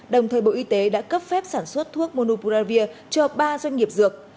đồng thời bộ y tế đã cấp phép sản xuất thuốc monubravir cho ba doanh nghiệp dược